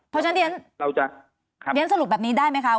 เพราะฉะนั้นเราจะเรียนสรุปแบบนี้ได้ไหมคะ